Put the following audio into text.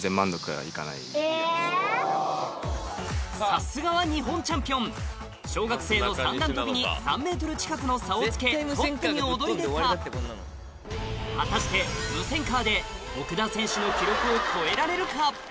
さすがは日本チャンピオン小学生の三段跳びに３ｍ近くの差をつけトップに躍り出た果たして無線カーで奥田選手の記録を超えられるか？